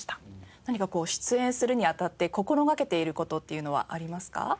何か出演するに当たって心がけている事っていうのはありますか？